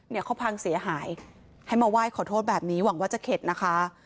เนี่ยเขาพังเสียหายให้มาไหว้ขอโทษแบบนี้หวังว่าจะเข็ดนะคะ